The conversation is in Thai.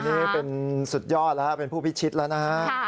นี่เป็นสุดยอดแล้วเป็นผู้พิชิตแล้วนะฮะ